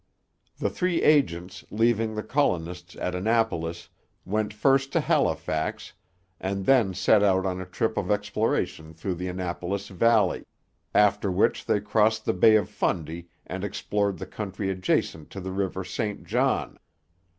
The three agents, leaving the colonists at Annapolis, went first to Halifax, and then set out on a trip of exploration through the Annapolis valley, after which they crossed the Bay of Fundy and explored the country adjacent to the river St John.